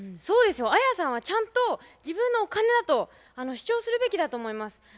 そうですよアヤさんはちゃんと自分のお金だと主張するべきだと思います。